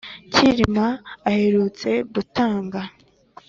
Cyilima aherutse gutanga